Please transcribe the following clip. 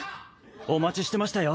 お待ちしてましたよ。